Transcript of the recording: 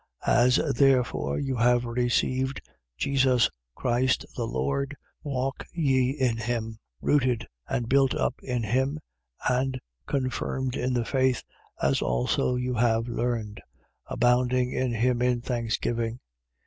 2:6. As therefore you have received Jesus Christ the Lord, walk ye in him: 2:7. Rooted and built up in him and confirmed in the faith, as also you have learned: abounding in him in thanksgiving.